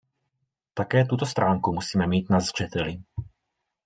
Také tuto stránku musíme mít na zřeteli.